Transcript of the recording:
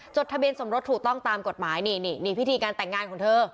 ทะเบียนสมรสถูกต้องตามกฎหมายนี่นี่พิธีการแต่งงานของเธอ